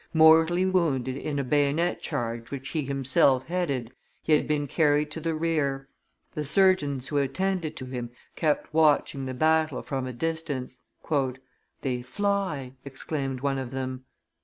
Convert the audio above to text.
Mortally wounded in a bayonet charge which he himself headed, he had been carried to the rear. The surgeons who attended to him kept watching the battle from a distance. "They fly," exclaimed one of them.